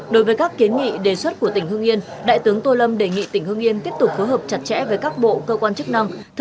đối với các kiến nghị đề xuất của tỉnh hương yên đại tướng tô lâm đề nghị tỉnh hương yên tiếp tục phối hợp chặt chẽ với các bộ cơ quan chức năng